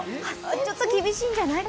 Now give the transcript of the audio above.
ちょっと厳しいんじゃない？